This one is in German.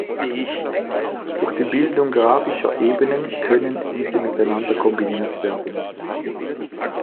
Durch die Bildung graphischer Ebenen können diese miteinander kombiniert werden.